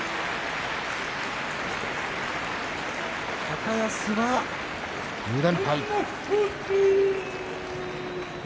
高安は２連敗。